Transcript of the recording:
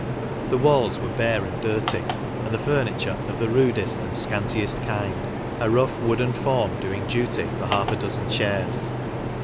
The walls were bare and dirty, and the furniture of the rudest and scan tiest kind, a rough wooden form doing duty for half a dozen chairs.